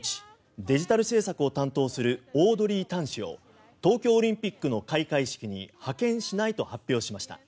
デジタル政策を担当するオードリー・タン氏を東京オリンピックの開会式に派遣しないと発表しました。